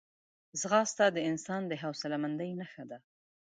ځغاسته د انسان د حوصلهمندۍ نښه ده